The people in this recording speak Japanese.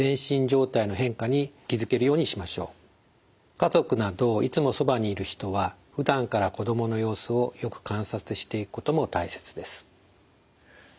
家族などいつもそばにいる人はふだんから子どもの様子をよく観察していくことも大切です。